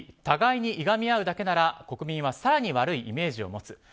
互いにいがみ合うだけなら国民は更に悪いイメージを持つ。